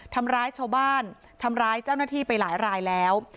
ทำร้ายชาวบ้านทำร้ายเจ้าหน้าที่ไปหลายรายแล้ว